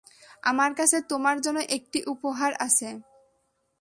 আমার কাছে তোমার জন্য একটি উপহার আছে।